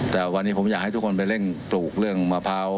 แต่วันนี้ผมอยากให้ทุกคนไปเร่งปลูกเรื่องมะพร้าว